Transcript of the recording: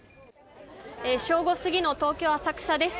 正午過ぎの東京・浅草です。